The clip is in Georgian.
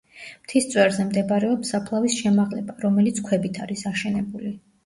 მთის წვერზე მდებარეობს საფლავის შემაღლება, რომელიც ქვებით არის აშენებული.